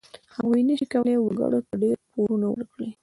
هغوی نشي کولای وګړو ته ډېر پورونه ورکړي.